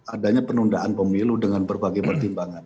adanya penundaan pemilu dengan berbagai pertimbangan